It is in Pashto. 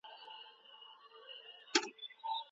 ولي محنتي ځوان د تکړه سړي په پرتله لاره اسانه کوي؟